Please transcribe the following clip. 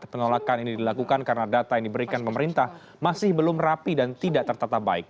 penolakan ini dilakukan karena data yang diberikan pemerintah masih belum rapi dan tidak tertata baik